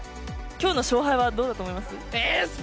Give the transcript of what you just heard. ・今日の勝敗はどうだと思います？